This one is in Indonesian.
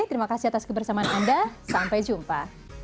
terima kasih atas kebersamaan anda sampai jumpa